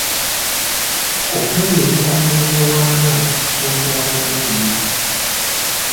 Okwereetera emitawaana kiba kya bulalu nnyo.